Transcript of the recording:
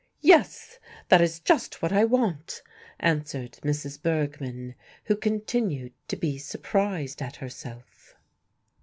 "Yes, that is just what I want," answered Mrs. Bergmann, who continued to be surprised at herself.